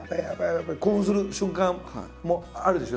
やっぱり興奮する瞬間もあるでしょ？